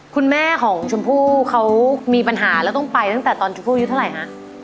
คุณแม่ของชมพู่เขามีปัญหาแล้วต้องไปตั้งแต่ตอนชมพู่อายุเท่าไหร่ฮะ